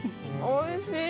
おいしい！